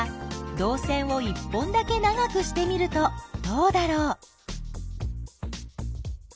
どう線を１本だけ長くしてみるとどうだろう？